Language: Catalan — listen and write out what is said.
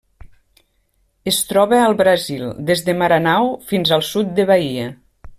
Es troba al Brasil: des de Maranhão fins al sud de Bahia.